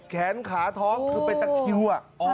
แขนขาท้องคือเป็นตะคิว